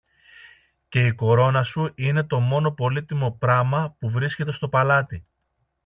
και η κορώνα σου είναι το μόνο πολύτιμο πράμα που βρίσκεται στο παλάτι.